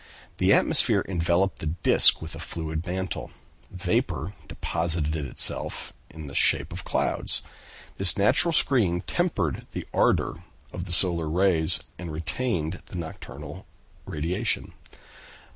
The atmosphere enveloped the disc with a fluid mantle; vapor deposited itself in the shape of clouds; this natural screen tempered the ardor of the solar rays, and retained the nocturnal radiation.